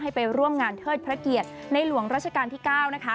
ให้ไปร่วมงานเทศภาเขียตนายหลวงราชกาลที่๙นะคะ